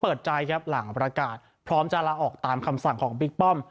เปิดใจครับหลังประกาศพร้อมจะลาออกตามคำสั่งของบิ๊กป้อม